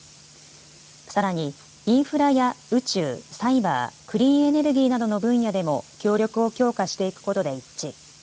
さらにインフラや宇宙、サイバー、クリーンエネルギーなどの分野でも協力を強化していくことで一致。